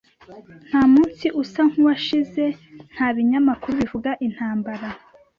Ntamunsi usa nkuwashize nta binyamakuru bivuga intambara.